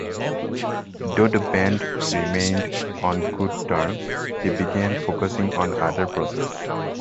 Though the band remained on good terms, they began focusing on other projects.